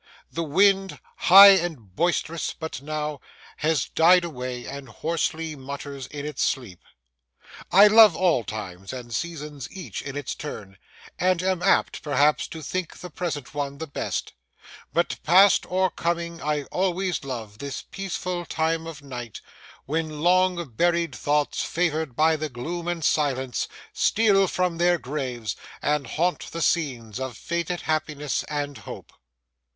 The wind, high and boisterous but now, has died away and hoarsely mutters in its sleep. I love all times and seasons each in its turn, and am apt, perhaps, to think the present one the best; but past or coming I always love this peaceful time of night, when long buried thoughts, favoured by the gloom and silence, steal from their graves, and haunt the scenes of faded happiness and hope.